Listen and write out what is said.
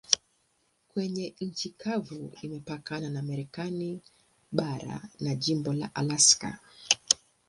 Kwenye nchi kavu imepakana na Marekani bara na jimbo la Alaska.